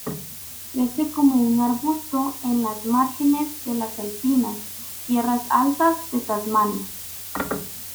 Crece como un arbusto en las márgenes de las alpinas Tierras Altas de Tasmania.